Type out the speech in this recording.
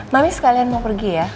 mami sekalian mau pergi ya